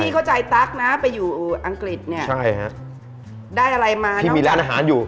เข้าใจตั๊กนะไปอยู่อังกฤษเนี่ยใช่ฮะได้อะไรมาที่มีร้านอาหารอยู่